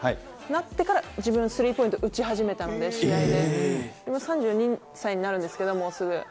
それから自分、スリーポイントを打ち始めたので、今３２歳になるんですけれども、もうすぐ。